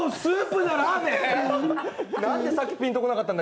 なんでさっきピンと来なかったんだ？